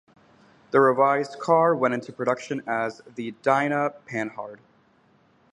The revised car went into production as the Dyna Panhard.